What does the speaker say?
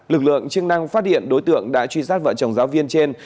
lực lượng chức năng phát hiện đối tượng đã truy sát vợ chồng giáo viên trên